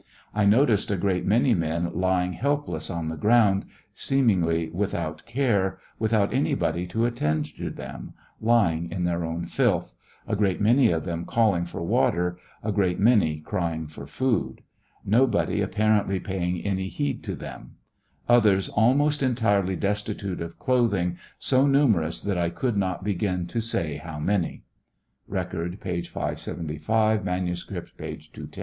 I noticed a great many men lying helpless on the ground, seemingly without care, without anybody to attend to them, lying in their own filth ; a great many of them calling for water, SI gre^t many ciying for food ; nobody apparently paying any heed to them ; others almost entirely destitute of clothing, so numerous that I could not begin to say how many. (Record,' p. 575; manuscript, p. 210.)